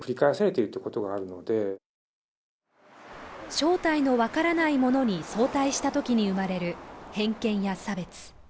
正体のわからないものに相対したときに生まれる偏見や差別